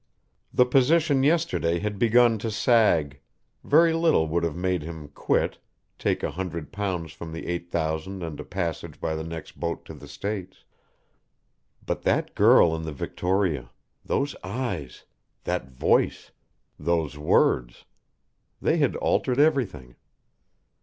The position yesterday had begun to sag, very little would have made him "quit," take a hundred pounds from the eight thousand and a passage by the next boat to the States; but that girl in the Victoria, those eyes, that voice, those words they had altered everything.